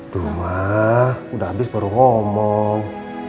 tuh mah udah abis baru ngomong